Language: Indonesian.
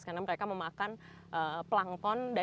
karena mereka memakan pelangkong dan ikan ikan